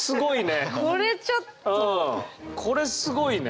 これすごいね。